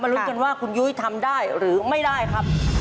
รุ้นกันว่าคุณยุ้ยทำได้หรือไม่ได้ครับ